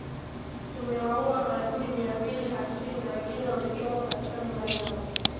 Tumewaua maadui mia mbili hamsini na wengine wamechomwa katika nyumba zao